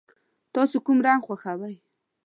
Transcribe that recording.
تاسو کوم رنګ خوښوئ؟